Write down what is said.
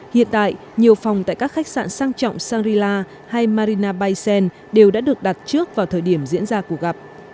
hiện tại nhiều phòng tại các khách sạn sang trọng shangri la hay marina bay sen đều đã được đặt trước vào thời điểm diễn ra cuộc gặp